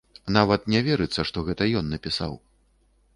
Нават не верыцца, што гэта ён напісаў.